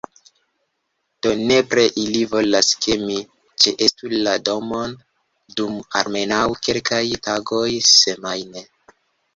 Do nepre ili volas ke mi ĉeestu la domon, dum almenaŭ kelkaj tagoj semajne